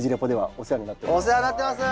お世話になってます。